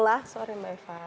selamat sore mbak eva